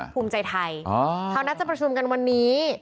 ภูมิใจไทยเขานัดจะประชุมกันวันนี้